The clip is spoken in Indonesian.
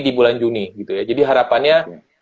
di bulan juni gitu ya jadi harapannya